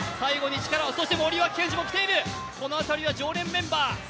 そして森脇健児も来ている、この辺りは常連メンバー。